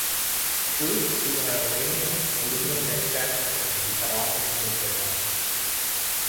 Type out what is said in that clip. Group is an Iranian aluminium manufacturer whose head office is in Tehran.